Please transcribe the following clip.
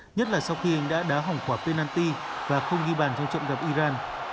nhất là sau khi anh đã đá hỏng quả pinanti và không ghi bàn trong trận gặp iran